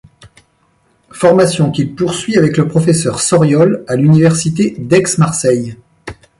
Formation qu’il poursuit avec le professeur Sauriol à l'Université d'Aix-Marseille.